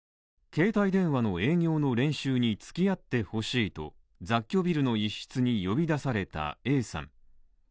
携帯電話の営業の練習に付き合ってほしいと、雑居ビルの一室に呼び出されたＡさん。